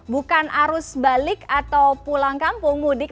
bukan arus balik atau pulang kampung mudik